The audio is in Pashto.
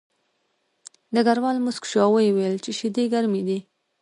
ډګروال موسک شو او ویې ویل چې شیدې ګرمې دي